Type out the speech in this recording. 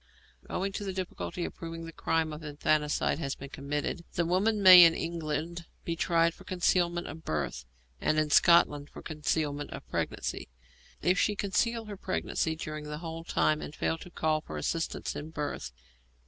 Owing to the difficulty of proving that the crime of infanticide has been committed, the woman may in England be tried for concealment of birth, and in Scotland for concealment of pregnancy, if she conceal her pregnancy during the whole time and fail to call for assistance in the birth.